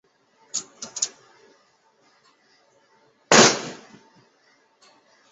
基本社会单元是一对父母和它们的后代。